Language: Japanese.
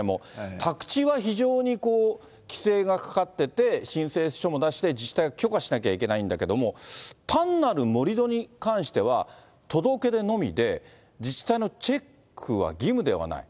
宅地は非常にこう、規制がかかってて、申請書も出して、自治体が許可しなきゃいけないんだけども、単なる盛り土に関しては、届け出のみで、自治体のチェックは義務ではない。